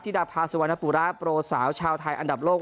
ดาภาสุวรรณปุระโปรสาวชาวไทยอันดับโลก